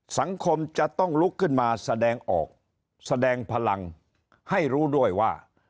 สังคมจะต้องลุกขึ้นมาแสดงออกแสดงพลังให้รู้ด้วยว่า